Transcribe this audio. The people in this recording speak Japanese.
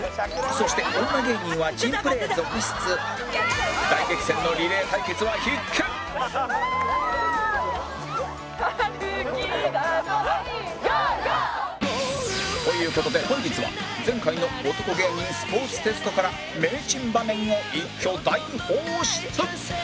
そして女芸人は珍プレー続出という事で本日は前回の男芸人スポーツテストから名珍場面を一挙大放出！